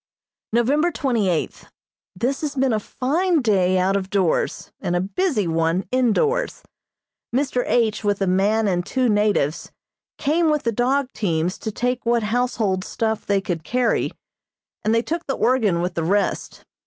November twenty eighth: This has been a fine day out of doors, and a busy one indoors. Mr. H. with a man and two natives came with the dog teams to take what household stuff they could carry, and they took the organ with the rest.